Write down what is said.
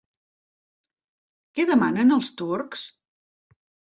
Què demanen els turcs?